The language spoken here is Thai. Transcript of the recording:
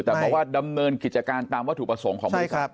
แต่บอกว่าดำเนินกิจการตามวัตถุประสงค์ของบริษัท